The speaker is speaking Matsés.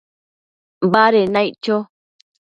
baded naic cho